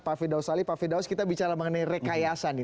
pak firdaus ali pak firdaus kita bicara mengenai rekayasa nih